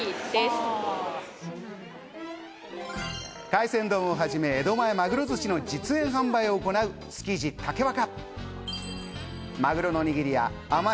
海鮮丼をはじめ、江戸前まぐろ寿司の実演販売を行う築地竹若。